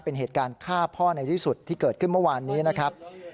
เป็นเหตุการณ์ฆ่าพ่อในที่สุดที่เกิดขึ้นเมื่อวานนี้นะครับ